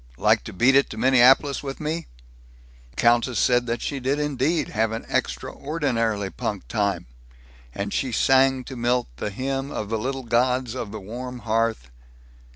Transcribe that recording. Like to beat it to Minneapolis with me?" The countess said that she did indeed have an extraordinarily punk time, and she sang to Milt the hymn of the little gods of the warm hearth.